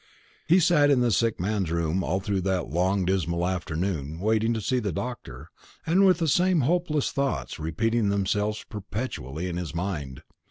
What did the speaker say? He sat in the sick man's room all through that long dismal afternoon, waiting to see the doctor, and with the same hopeless thoughts repeating themselves perpetually in his mind.